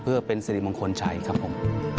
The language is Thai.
เพื่อเป็นสิริมงคลชัยครับผม